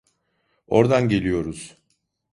Ordan geliyoruz!